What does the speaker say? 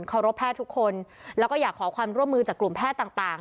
รบแพทย์ทุกคนแล้วก็อยากขอความร่วมมือจากกลุ่มแพทย์ต่าง